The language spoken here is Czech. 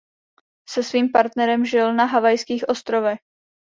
Se svým partnerem žil na Havajských ostrovech.